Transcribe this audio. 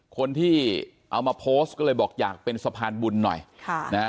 คนที่เอามาโพสต์ก็เลยบอกอยากเป็นสะพานบุญหน่อยค่ะนะฮะ